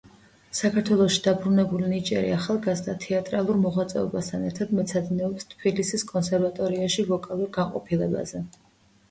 საქართველოში დაბრუნებული ნიჭიერი ახალგაზრდა თეატრალურ მოღვაწეობასთან ერთად, მეცადინეობს თბილისის კონსერვატორიაში ვოკალურ განყოფილებაზე.